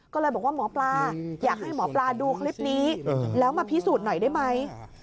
ก็เลยบอกว่าหมอปลาอยากให้หมอปลาดูคลิปนี้แล้วมาพิสูจน์หน่อยได้ไหม